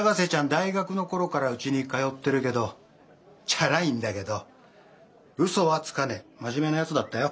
大学の頃からうちに通ってるけどチャラいんだけど嘘はつかねえ真面目なやつだったよ。